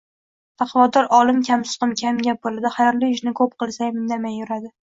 Taqvodor olim kamsuqum, kamgap bo‘ladi, xayrli ishni ko‘p qilsayam indamay yuradi